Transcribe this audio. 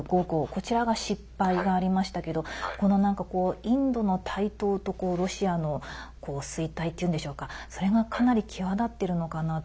こちらが失敗がありましたけどインドの台頭とロシアの衰退っていうんでしょうかそれがかなり際立っているのかなと。